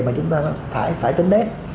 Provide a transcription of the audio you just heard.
mà chúng ta phải tính đến